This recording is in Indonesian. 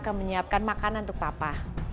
dan menyiapkan makanan untuk papa